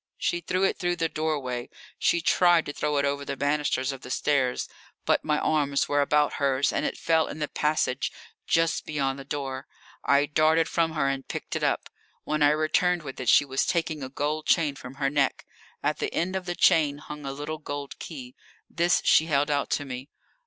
She threw it through the doorway; she tried to throw it over the banisters of the stairs, but my arms were about hers, and it fell in the passage just beyond the door. I darted from her and picked it up. When I returned with it she was taking a gold chain from her neck. At the end of the chain hung a little gold key. This she held out to me.